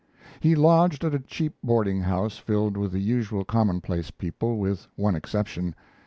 He lodged at a cheap boarding house filled with the usual commonplace people, with one exception.